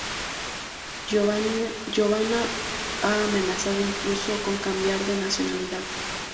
Giovanna ha amenazó incluso con cambiar de nacionalidad.